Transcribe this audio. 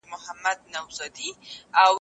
ذهني فشار د وېښتو توېیدو لامل دی.